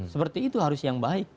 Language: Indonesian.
seperti itu harus yang baik